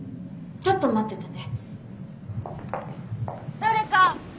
ちょっと待ってね。